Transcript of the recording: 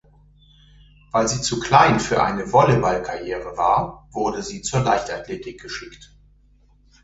Weil sie zu klein für eine Volleyballkarriere war, wurde sie zur Leichtathletik geschickt.